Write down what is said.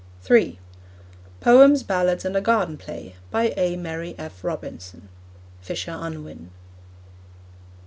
(3) Poems, Ballads, and a Garden Play. By A. Mary F. Robinson. (Fisher Unwin.)